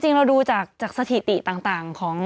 จริงเราดูจากสถิติต่าง